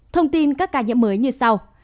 thông tin các ca nhiễm mới như sau